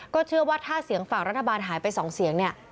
ก็เชื่อว่า๕เสียงฝากรัฐบาลหายไป๒เสียงนี่